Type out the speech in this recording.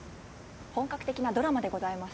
本格的なドラマでございます。